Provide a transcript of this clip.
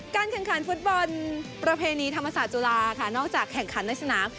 แข่งขันฟุตบอลประเพณีธรรมศาสตร์จุฬาค่ะนอกจากแข่งขันในสนาม